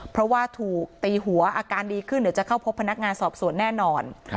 เพราะว่าถูกตีหัวอาการดีขึ้นเดี๋ยวจะเข้าพบพนักงานสอบสวนแน่นอน